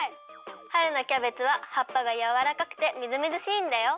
はるのキャベツははっぱがやわらかくてみずみずしいんだよ！